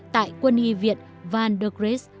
tại quân y viện van der gries